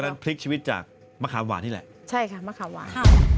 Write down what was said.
พลิกชีวิตจากมะขามหวานนี่แหละใช่ค่ะมะขามหวานค่ะ